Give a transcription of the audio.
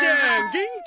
元気？